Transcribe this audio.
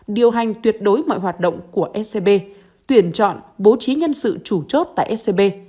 điều hành tuyệt đối mọi hoạt động của scb tuyển chọn bố trí nhân sự chủ chốt tại scb